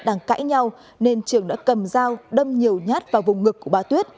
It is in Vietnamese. đang cãi nhau nên trường đã cầm dao đâm nhiều nhát vào vùng ngực của bà tuyết